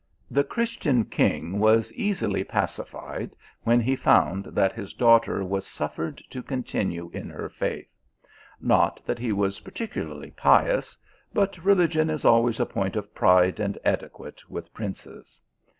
The Christian king was easily pacified, when he found that his daughter was suffered to continue in her faith : not that he was particularly pious ; but religion is always a point of pride and etiquette with princes.